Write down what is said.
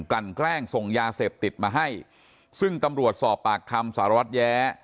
ลั่นแกล้งส่งยาเสพติดมาให้ซึ่งตำรวจสอบปากคำสารวัตรแย้